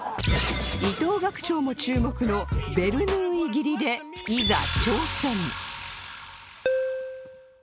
伊藤学長も注目のベルヌーイ切りでいざ挑戦